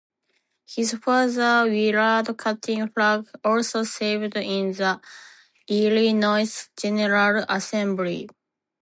His father Willard Cutting Flagg also served in the Illinois General Assembly.